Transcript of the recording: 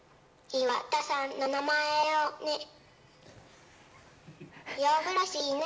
岩田さんの名前をね。